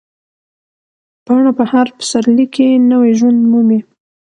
پاڼه په هر پسرلي کې نوی ژوند مومي.